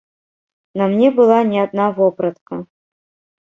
На мне была не адна вопратка.